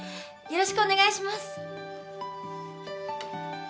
よろしくお願いします！